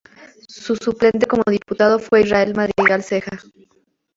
Su suplente como diputado fue Israel Madrigal Ceja.